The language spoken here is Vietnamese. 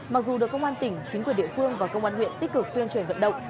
mặc dù được công an tỉnh chính quyền địa phương và công an huyện tích cực tuyên truyền vận động